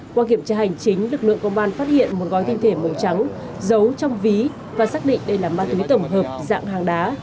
qua kiểm tra hành chính lực lượng công an phát hiện một gói tinh thể màu trắng giấu trong ví và xác định đây là ma túy tổng hợp dạng hàng đá